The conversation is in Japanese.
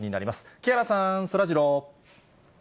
木原さん、そらジロー。